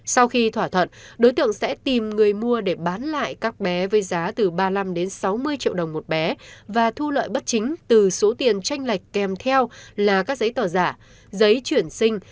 sau khi thỏa thuận đối tượng sẽ tìm người mua để bán lại các bé với giá từ ba mươi năm sáu mươi triệu đồng một bé và thu lợi bất chính từ số tiền tranh lệch kèm theo là các giấy tờ giả giấy chuyển sinh